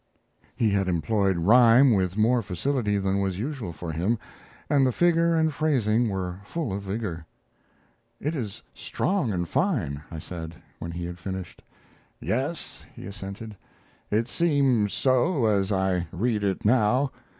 He had employed rhyme with more facility than was usual for him, and the figure and phrasing were full of vigor. "It is strong and fine," I said, when he had finished. "Yes," he assented. "It seems so as I read it now.